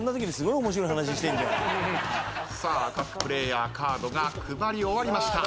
さあ各プレイヤーカードが配り終わりました。